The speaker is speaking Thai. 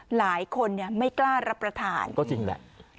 หลายคนไม่กล้ารับประทานก็จริงแหละ